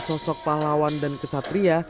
sosok pahlawan dan kesatria